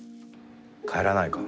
帰らないか？